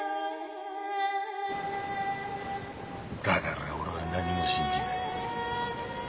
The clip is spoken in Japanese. だから俺は何も信じない。